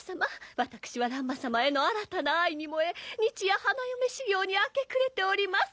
わたくしは乱馬様への新たな愛に燃え日夜花嫁修業に明け暮れております